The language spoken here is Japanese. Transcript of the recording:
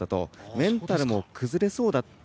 メンタルも崩れそうだった。